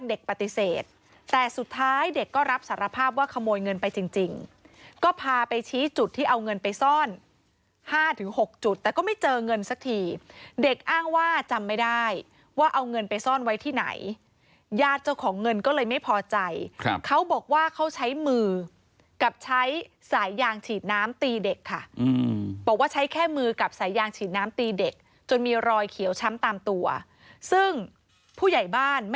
เด็กก็รับสารภาพว่าขโมยเงินไปจริงก็พาไปชี้จุดที่เอาเงินไปซ่อนห้าถึงหกจุดแต่ก็ไม่เจอเงินสักทีเด็กอ้างว่าจำไม่ได้ว่าเอาเงินไปซ่อนไว้ที่ไหนญาติเจ้าของเงินก็เลยไม่พอใจเขาบอกว่าเขาใช้มือกับใช้สายยางฉีดน้ำตีเด็กค่ะบอกว่าใช้แค่มือกับสายยางฉีดน้ำตีเด็กจนมีรอยเขียวช้ำตาม